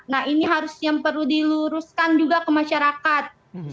nah ini harus yang perlu diluruskan juga ke masyarakat